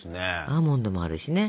アーモンドもあるしね。